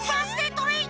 トレイン！